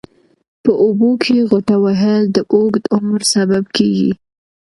په اوبو کې غوټه وهل د اوږد عمر سبب کېږي.